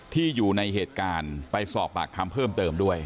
อยู่ในเหตุการณ์ไปสอบปากคำเพิ่มเติมด้วย